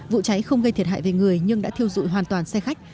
vụ cháy không gây thiệt hại về người nhưng đã thiêu dụi hoàn toàn xe khách